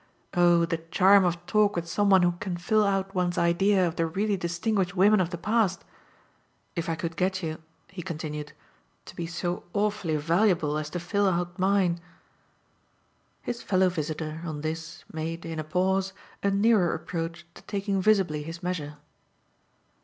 "Oh the charm of talk with some one who can fill out one's idea of the really distinguished women of the past! If I could get you," he continued, "to be so awfully valuable as to fill out mine!" His fellow visitor, on this, made, in a pause, a nearer approach to taking visibly his measure.